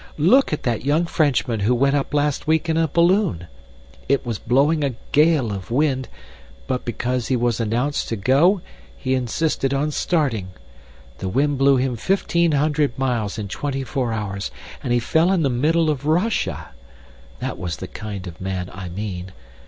Look at that young Frenchman who went up last week in a balloon. It was blowing a gale of wind; but because he was announced to go he insisted on starting. The wind blew him fifteen hundred miles in twenty four hours, and he fell in the middle of Russia. That was the kind of man I mean.